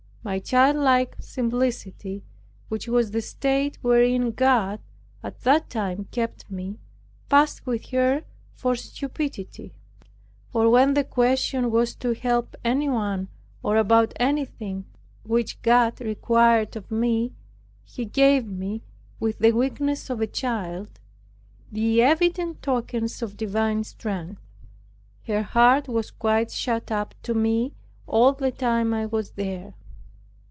My childlike simplicity, which was the state wherein God at that time kept me, passed with her for stupidity. For when the question was to help anyone, or about anything which God required of me, He gave me, with the weakness of a child, the evident tokens of divine strength. Her heart was quite shut up to me all the time I was there.